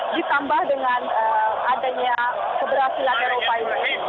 ditambah dengan adanya keberhasilan eropa ini